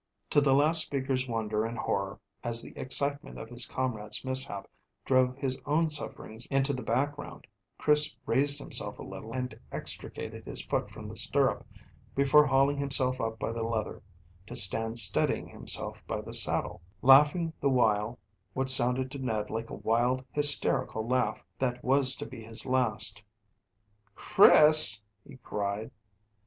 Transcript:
To the last speaker's wonder and horror, as the excitement of his comrade's mishap drove his own sufferings into the background, Chris raised himself a little and extricated his foot from the stirrup, before hauling himself up by the leather, to stand steadying himself by the saddle, laughing the while what sounded to Ned like a wild, hysterical laugh that was to be his last. "Chris!" he cried.